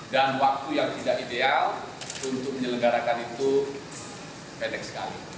dan waktu yang tidak ideal untuk menyelenggarakan itu mepet sekali